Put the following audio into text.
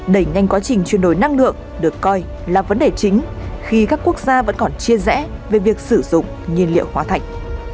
đẩy nhanh quá trình chuyển đổi năng lượng được coi là vấn đề chính khi các quốc gia vẫn còn chia rẽ về việc sử dụng nhiên liệu hóa thạch